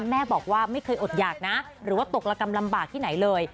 แม่บอกว่าไม่เคยอดหยากนะหรือว่าตกระกำลำบากที่ไหนเลย